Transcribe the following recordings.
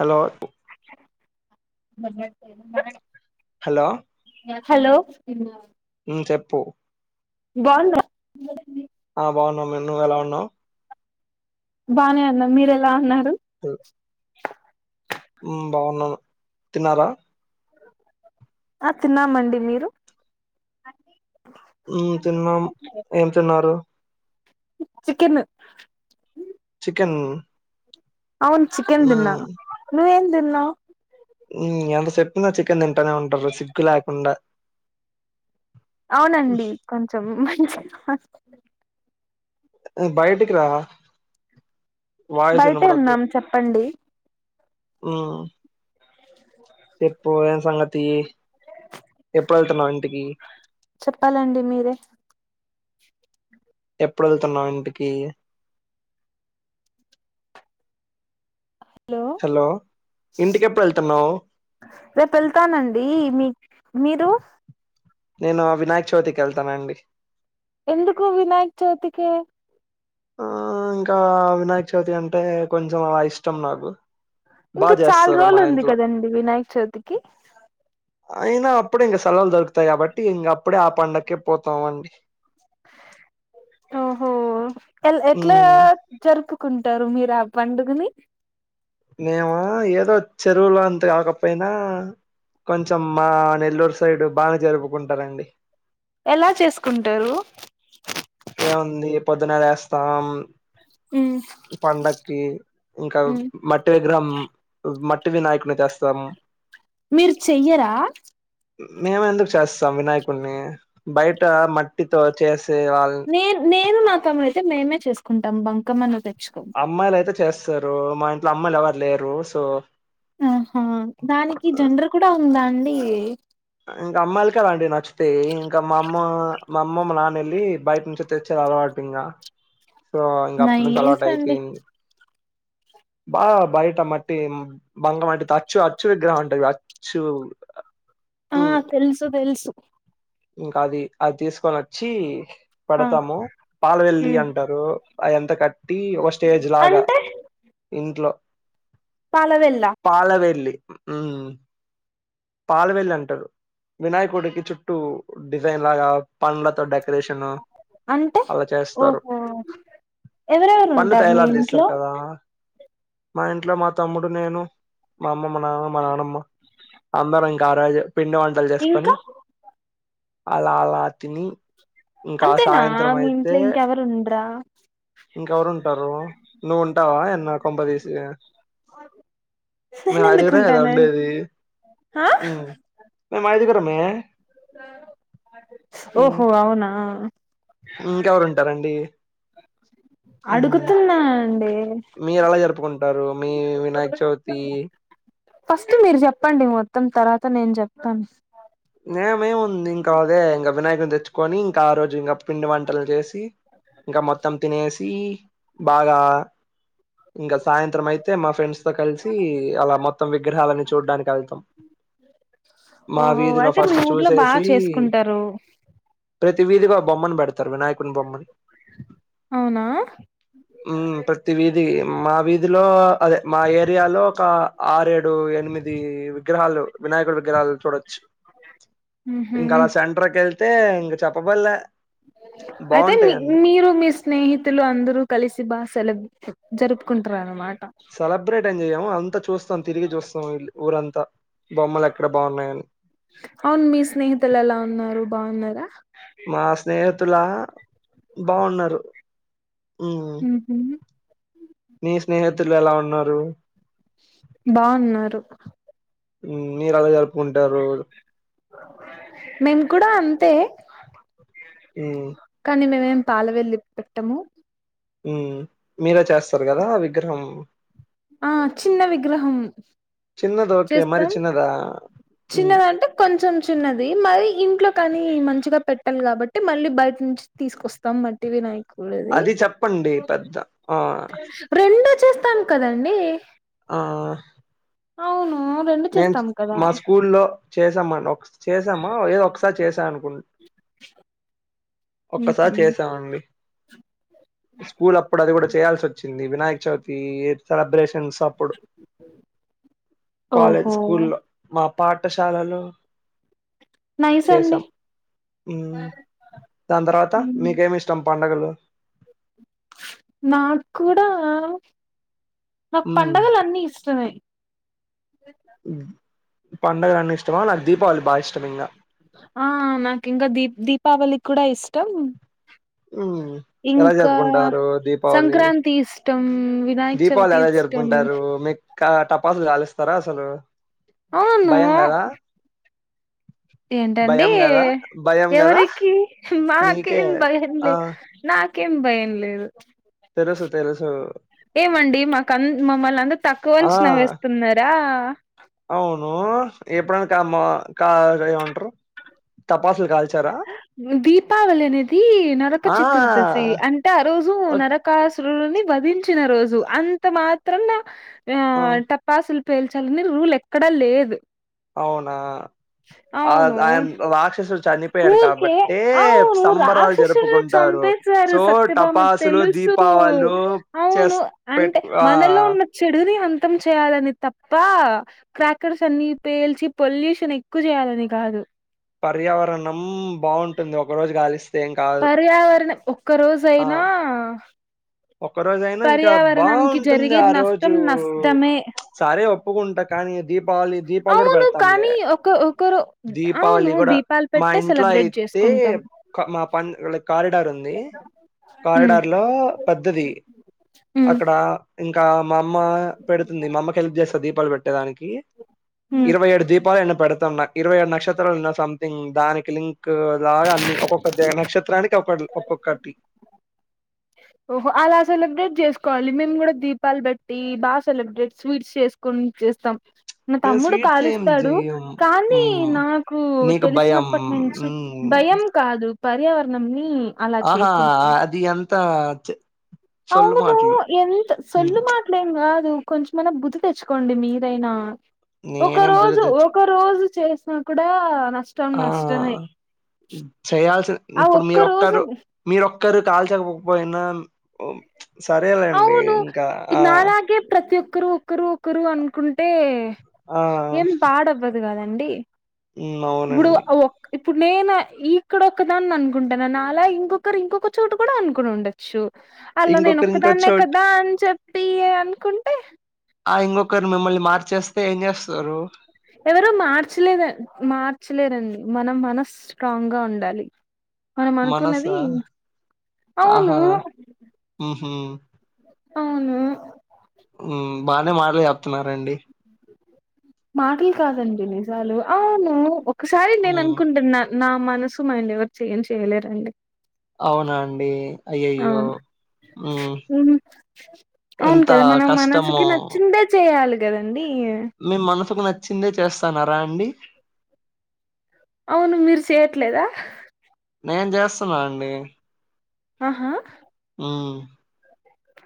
Hello మ మ hello hello ఉ చెప్పు బోన్నావ్ ఆ బాగున్నాము మేము నువ్వు ఎలా ఉన్నావు బానే ఉన్న మీరెలా ఉన్నారు ఉ బాగున్నాను తిన్నారా ఆ తిన్నామండి మీరు ఉ తిన్నాం ఏం తిన్నారు చికెన్ చికెన్ అవును చికెన్ ఉమ్ దిన్నా నువ్వేం తిన్నావు ఎంత చెప్పినా చికెన్ తింటూనే ఉంటారు సిగ్గు లేకుండా అవునండి కొంచెం మంచి బయటికిరా వాయిస్ బయటే వినపడట్లే ఉన్నాం చెప్పండి ఆ చెప్పువే సంగతి ఎప్పుడేళ్తునావ్ ఇంటికి చెప్పాలండి మీరే ఎప్పుడు వెళ్తున్నావు ఇంటికి హలో ఇంటికి ఎప్పుడు వెళ్తున్నావు రేపు వెళ్తానండి మీ మీరు నేను వినయక చవితికి వెళ్తాన అండి ఎందుకు వినాయక్ చౌతికి ఆ ఇంకా వినాయక చవితి అంటే కొంచెం ఇష్టం నాకు ఇంక బాగా చాల చేస్తారు రోజులు మా ఉంది ఇంట్లో కదండి వినాయక చవితికి అయినా అప్పుడే ఇంక సెలవులు దొరుకుతాయి కాబట్టి ఇంగ అప్పుడే ఆ పండక్కే పోతాం అండి ఓహో ఎట్ల హ్మ్ జరుపు కుంటారు మీరు ఆ పండుగని నేము ఏదో చెరువులో అంత కాకపోయినా కొంచెం మా నెల్లూరు సైడ్ బా జరుపుకుంటారండి ఎలా చేసుకుంటారు ఏముంది పొద్దున్న వేస్తాం ఉ పండక్కి ఇంకా మట్టి విగ్రహం మట్టి వినాయకుని చేస్ సం మీరు చెయ్యరా మేము ఎందుకు చేస్తాం వినాయకుడిని బయట మట్టితో చేస్ నేన్ నేను నా తమ్ముడు అయితే మేమే చేసుకుంటాం బంకమ్మను అమ్మాయిలు అయితే చేస్తారు మా ఇంట్లో అమ్మాయిలు ఎవరు లేరు సో ఆహా దానికి ఆ జండర్ కూడా ఉందా అండి ఇంక అమ్మాయిల కదండి నచ్చితే ఇంకా మా అమ్మ మా అమ్మ మా నాన్న వెళ్ళి బయట నుంచి తెచ్చ అలవాటు కటింగా నైస్ అండి బా బయట మట్టి బంగ మట్టితో అచ్చు అచ్చు విగ్రహం అంటుది అచ్చు ఆ ఉమ్ తెలుసు తెలుసు ఇంకా అది అది తీసుకొని వచ్చి ఆ పెడతాము పాల వెెల్లి ఉమ్ అంటారు అదింత కట్టి ఒక స్టేజ్ లాగా అంటే ఇంట్లో పాలవెల్ల పాలవేల్లి ఉ పాలవెల్లి అంటరు వినాయకుడికి చుట్టూ డిజైన్ లాగా పండ్లతో డెక షను అంటే అలా చేస్తారు ఓహో ఎవరెవరు పన్ను ఉంటారు మీ తయలారు చేస్తారు ఇంట్లో కదా మా ఇంట్లో మా తమ్ముడు నేను మా అమ్మ మా నాన్న మా నానమ్మ అంబరం కారాజ పిండి వంటలు చేసుకొని ఇంకా అలా అలా తిని ఇంక అంతేనా సాయంత్రం మీ అయితే ఇంట్లో ఇంకెవరు ఉండరా ఇంకెవరు ఉంటారు నువ్వు ఉంటావా ఎన్న కొంపదీసి మేము నేను ఆఐదుగర గదా ఎందుకుంటానండి ఉండేది ఆ మేము ఆదుగర మే ఓహో అవునా ఇంకెవరు ఉంటారండి అడుగుతున్న మీరు అలా జరుపుకుంటారు మీ వినాయక చవితి ఫస్ట్ మీరు చెప్పండి మొత్తం తర్వాత నేను చెప్తాను నేమేము ఉంది ఇంకా అదే ఇంకా వినాయకుని తెచ్చుకొని ఇంకా ఆ రోజు ఇంగ పిండి వంటలు చేసి ఇంకా మొత్తం తినేసి బాగా ఇంకా సాయంత్రం అయితే మా ఫ్రెండ్స్ తో కలిసి అలా మొత్తం విగ్రహాలీని చూడ్డానికి వెళ్తాం. మా ఓహో వీధిలో అయితే మీ ఫస్ట్ ఊర్లో బాగా చూసేసి చేసుకుంటారు ప్రతి వీధికో బొమ్మని పెడ్తారు వినాయకున్ బొమ్మని అవునా మ్ ప్రతి వీధి మా వీధి లో అదే మా ఏరియాలో ఒక ఆరేడు ఎనిమిది విగ్రహాలు వినాయకుడ్ విగ్రహాలు చూడొచ్ ఉహు ఇంకా అలా సెంటర్కెళ్తే ఇంక చెప్పబడ్లే అయితే మీ మీరు మీ స్నేహితులు అందరు కలిసి బా సెల జరుపుకుంటారన్మాట్ సెలబ్రేట్ ఏం చేయము అంత చూస్తాం తిరిగి చూస్తాం వెళ్ళి ఊరంతా బొమ్మల్ ఎక్కడ బాగున్నాయని అవున్ మీ స్నేహితులు ఎలా ఉన్నారు బాగున్నారా? మా స్నేహితుల బాగున్నారు. మ్ హ్ నీ స్నేహితులు ఎలా ఉన్నారు? బాగున్నారు. మీరెలా జరుపుకుంటారు మేము కూడా అంతే మ్ కనీ మేమేం పాల వెల్లి పెట్టము. మ్ మీరె చేస్తార్ కదా విగ్రహం ఆ చిన్న విగ్రహం చిన్నది ఓకే మరి చేస్తాం. చిన్నదా మ్ చిన్నదంటే కొంచం చిన్నది మరి ఇంట్లో కనీ మంచిగా పెట్టాల్ కాబట్టి మళ్ళీ బైటి నుంచి తీస్కొస్తాం మట్టి వినా అది చెప్పండి పెద్ద ఆ రెండూ చేస్తాం కదండి ఆ అవును రెండు నేన్ చేస్తాం కదా మా స్కూల్లో చేసా మం ఒక్ చేసామా ఏదో ఒక్సార్ చేసా అనుకుం ఒక్కసార్ చేసా అండి. స్కూల్ అప్పుడు అది గుడా చేయాల్స్సోచ్చింది వినాయక్ చవితి సెలబ్రేషన్స్ అప్పుడు కాలేజ్ ఉహు ఓ స్కూల్లో మా పాఠశాలలో నైస్ అండి చేసాం. మ్ దాన్ తర్వాత మీకేం ఇష్టం పడగలు నాక్కూడా నాక్ మ్ పండగలన్ని ఇష్టమే పండగల్ అన్ని ఇష్టమా నాక్ దీపావళి బాగా ఇష్టం ఇంగ ఆ నాకింకా దీ దీపావళి కూడా ఇష్టం. మ్మ్ ఎలా ఇంకా జరుపుకుంటారు దీపావళి సంక్రాంతి ఇష్టం. వినాయక దీపావళి చవితి ఎలా ఇష్టం జరుపుకుంటారు మీక టపాసులు కాలుస్తారా అసలు అవును భయం కదా ఏంటండీ భయం కదా భయం కదా ఎవరికి నీకే మాకేం భయం ఆ లే నా కేం భయం లేదు. తెలుసు తెలుసు ఏమండి మాక్ అం మమ్మల్ని అంత ఆ తక్కువంచనా వేస్తున్నారా? ఎప్పుడన కా కా ఏమంటరు తపాసుల్ కాల్చ దీపావళి అనేది నరక ఆ చతుర్దశి అంటే ఆ రోజు నరకా సురుడిని వధించిన రోజు అంత మాత్రాన ఆ ఓ టపాసుల్ పేల్చాలని రూల్ ఎక్కడ లేదు. అవునా ఆ ఆయన్ రాక్షసు ఊర్క ఆవును సంబరాలు రాక్షషులు జరుపుకుంటారు. చంపెశారు సో సత్యభామ టపాసులు, తెలుసు దీపావళులు అవును చేస్ అంటే పెట్టుకు ఆ మనలో ఉన్న చెడు అంతం చేయాలని తప్ప క్రాకర్స్ అన్ని పేల్చి పొల్యూషన్ ఎక్కువ చేయాలని కాదు పర్యావరణం బాగుంటుంది ఒక రోజు కలిస్త పర్యావరణం ఒక్క రోజయినా ఒక్క రోజైన ఇంకా బాగుంటుంది జరిగే ఆ రోజు నష్టం నష్టమే సారే ఒప్పుకుంటా కానీ దీప్ దీపాళి దీపలు కూడా అవును పెడతాంలే కానీ ఒక ఒకరు అవును దీపావళి కూడా దీపాలు మా పెట్టే ఇంట్లో సెలబ్రేట్ అయితే చేసుకుంటాం అతే మా ప వీళ్లకి కారిడార్ ఉంది ఉమ్ కారిడార్ లో పద్దది ఉమ్ అక్కడ ఇంకా మా అమ్మ పెడుతుంది మా అమ్మకి హెల్ప్ చేస్తది దీపాలు పెట్టే దానికి ఉమ్ ఇరవై ఏడు దీపాలు ఎన్న పెడ ఇరవై ఏడు నక్షత్రాలు ఉన్నా సంథింగ్ దానికి లింక్ లాగా అన్ని ఒక్కొక్క నక్షత్రానికి ఒక ఒక్కకటి ఓహో అలా సెలబ్రేట్ చేసుకోవాలి మేము కూడా దీపాలు బట్టి బాగా సెలబ్రేట్ స్వీట్స్ చేసుకుని చేస్తాం నా మేము తమ్ముడు స్వీట్స్ ఏం కాలుస్తాడు జెయ్యం. కానీ హ్మ్. నాకు నీకు భయం. తెలిసినప్పటి నుంచి హ్మ్. భయం కాదు పర్యావరణం ని అలా చేయకూడదు త చే అవును ఎంత హ్మ్. సొల్లు మాటలేం కాదు కొంచమైనా బుద్ధి తెచ్చుకోండి మీరైనా ఒక నేనేం బూజ రోజు తెచ్చు ఒక రోజు చేసినా కూడా నష్టం ఆ! నష్టమే చేయాల్సిన ఆ ఇప్పుడు ఒక్క రోజు మీరొక్కరు మీరొక్కరు కాల్చకపోకపోయినా అవును ఆ! నాలాగే ప్రతి ఒక్కరు ఒక్కరు ఒకరు అన్ కుంటే ఆ ఏం పాడవ్వదు కదండి హ్మ్ ఇప్పుడు అవునండి ఇప్పుడు నేను ఇక్కడ ఒకదాని అనుకుంటున్నాను అలా ఇంకొకరు ఇంకొక చోటు కూడా అనుకుని ఉండొచ్చు అలా ఇంకొకరు ఇంకో నేనోక్కదాన్నే చోట్ కదా అని చెప్పి అనుకుంటే ఆ ఇంకొకరు మిమ్మల్ని మార్చేస్తే ఏం చేస్తారు ఎవరో మార్చలేద మార్చలేదండి మనం మనసు స్ట్రాంగ్ గా ఉండాలి మనం మనసా అనుకున్నది అవును హ్మ్మ్ అవును ఉమ్మ్ బానే మాటలు చెప్తున్నారండి మాటలు కాదండి నిజాలు అవును ఒకసారి నేను మ్ అనుకుంటున్నా నా మనసు మైండ్ ఎవరు చేంజ్ చేయలేరండి అవునా అండి అయ్యయ్యో అవును మ్ అవును ఎంత కదా మనం మనసుకి కష్టమో నచ్చిందే చేయాలి కదండి మీ మనసుకు నచ్చిందే చేస్తానార అండి అవును మీరు చేయట్లేదా నేం చేస్తున్నా అండి ఆహా హ్మ్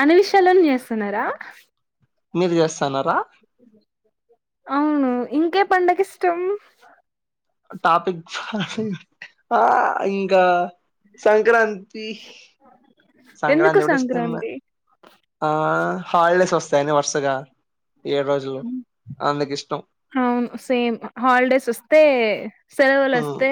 అన్ని విషయాలోని చేస్తున్నారా మీరు చేస్తన్నారా అవును ఇంకే పండగ ఇష్టం టాపిక్ ఆ ఇంకా సంక్రాంతి ఎందుకు సంక్రాంతకుడా ఇష్టమె సంక్రాంతి ఆ హాాలిడేస్ వస్తయిని వర్షగా ఏడు రోజులు హ్మ్. అందుకు ఇష్టం అవును సేమ్ హాలిడేస్ వస్తే సెలవులు ఉమ్ వస్తే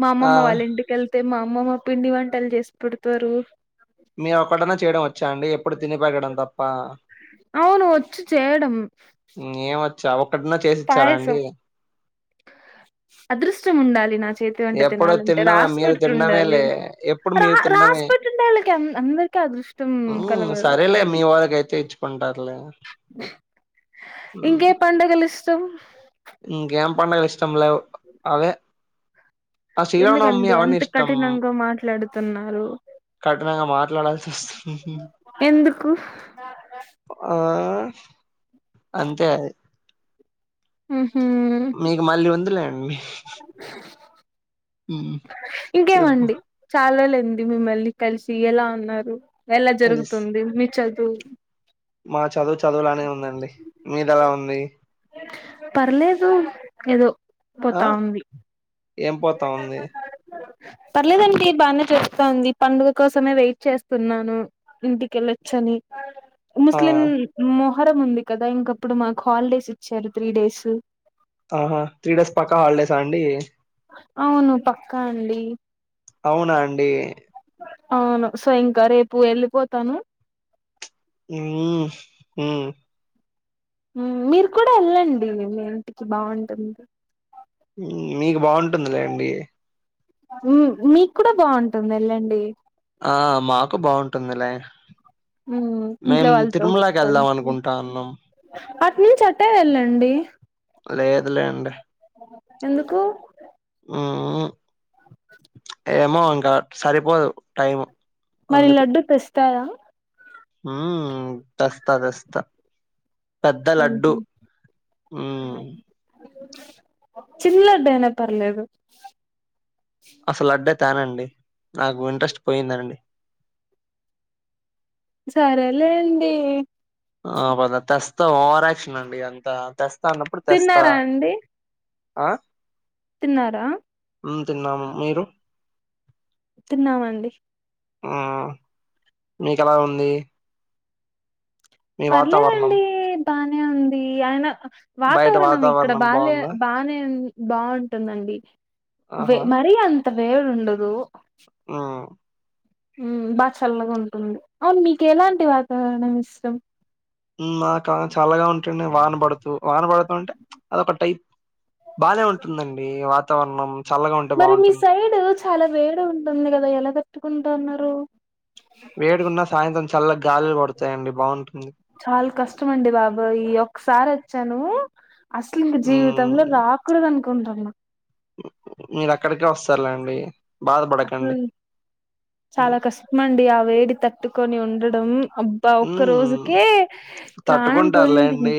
మా ఆ అమ్మమ్మ వాళ్ళ ఇంటికెళ్తే మా అమ్మమ్మ పిండి వంటలు చేసి పెడతారు మీరు ఒకటనా చేయడం వచ్చు వచ్చా అండి ఎప్పుడు తిని పెరగడం తప్ప అవును వచ్చు చేయడం ఏమ ఒక్కటనా చేసిచ్చారా పాయసం అండి అదృష్టం ఉండాలి నాకు చేతి వంట ఎప్పుడు తినాలంటే తినడమే రాసి మీరు పెట్టిండాలి తినడమేలే ఎప్పుడు రా రాసిపెట్టిండే వాళ్ళకి అందరిక హ్మ్ సరేలే మీ వాళ్ళకైతే ఇచ్చుకుంటారులే ఇంకే ఎ పండగలు ఇష్టం ఇంక ఏం పండగలిష్టం లేవ్ అవే ఆ శ్రీరామనవమి ఎందుకండి అవన్నీ అంత ఇష్టం కఠినంగా మాట్లాడుతున్నారు కఠినంగా మాట్లాడాల్సి వస్తుంది ఎందుకు ఆ అంతే అది ఆ మీకు మళ్ళీ ఉందిలేండి ఉమ్ చెప్పు ఇంకేమండి చారోజులైంది మిమ్మల్ని కలిసి ఎలా ఉన్నారు ఎలా కలిసి జరుగుతుంది మీ చదువు మా చదువు చదువులానే ఉందండి మీదేలా ఉంది పర్లేదు ఏదో ఆ పోతా ఉంది ఏం పోతా ఉంది పర్లేదండి బానే చెస్తాంది పండుగ కోసమే వెయిట్ చేస్తున్నాను ఇంటికెళ్ళొచ్చా అని ఆ ముస్లిం మొహరం ఉంది కదా ఇంకప్పుడు మాకు హాలిడేస్ ఇచ్చారు త్రీ డేసు ఆహా త్రీ డేస్ పక్కా హాలిడేసా అండి అవును పక్కా అండి అవునా అండి అవును సో ఇంకా రేపు వెళ్ళిపోతాను ఆ మ్ మీరు కూడా వెళ్ళండి మీ ఇంటికి బాగుంటుంది మీకు బాగుంటుందిలే అండి మీకు కూడా బాగుంటుంది వెళ్ళండి ఆ మాకు బాగుంటుందిలే మ్ మేం తిరుమలకి వెళ్దాం అనుకుంటాన్నాం అట్నుంచి అట్టే వెళ్ళండి లేదులే అండి ఎందుకు ఏమో ఇంకా సరిపోదు టైం మరి లడ్డు తెస్తావా హ్మ్మ్ తెస్తా తెస్తా పెద్ద మ్ లడ్డు హు హ్మ్ చిన్నోడేనా పర్లేదు. అసలు అడ్డే తేనండి నాకు ఇంట్రెస్ట్ పోయిందండి. సరేలేండి. ఆహ్ బదా తెస్తా ఓవరాక్షన్ అండి అంత తేస్. తెస్తా అన్నప్పుడు తెస్తా తిన్నారా అండి ఆహ్ తిన్నారా. తిన్నాము మీరు. తిన్నామండి. ఆహ్ మీకు ఎలా ఉంది. మీ వాతావరణం పర్లేదండి బానే ఉంది ఆయిన. బయట వాతావరణం ఇక్కడ బాలే బాగుందా బానే ఉంది. బాగుంటుందండి వే ఆహా మరీ అంత వేడిఉండదు. ఆహ్. ఉమ్ బాగా చల్లగా ఉంటుంది అవును మీకు ఎలాంటి వాతావరణం ఇష్టం. మాకా చాల్లగా ఉంటుండె వాన పడుతూ వాన పడుతూ అంటే ప్చ్ అదొ ఒక టైప్. బాగానే ఉంటుందండి వాతావరణం. చల్లగా ఉంటే మరి మీ బాగుంటుంది సైడ్ చాలా వేడిగుంటుంది కదా ఎలా తట్టుకుంటుంన్నారు. వేడిగున్నా సాయంత్రం చల్ల గాలిలు పడతాయండి బాగుంటుంది. చాలా కష్టము అండి బాబోయ్ ఈ ఒకసారి వచ్చాను. అస్సలు ఇంక మ్మ్ జీవితంలో రాకూడదు అనుకుంటాన్నా. మీరు అక్కడికే వస్తారులేండి. బాధపడకండి ఉమ్ చాలా కష్టము అండి ఆ వేడి తట్టుకొని ఉండడం. అబ్బా ఒక్క మ్మ్ రోజుకే ప్రాణం పోయింది. తట్టుకుంటారులేండి